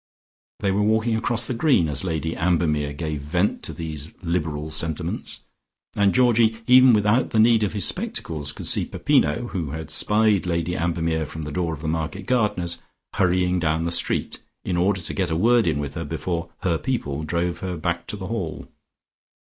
They were walking across the green as Lady Ambermere gave vent to these liberal sentiments, and Georgie even without the need of his spectacles could see Peppino, who had spied Lady Ambermere from the door of the market gardener's, hurrying down the street, in order to get a word with her before "her people" drove her back to The Hall.